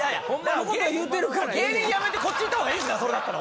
もう芸人辞めてこっち行った方がいいですかそれだったら。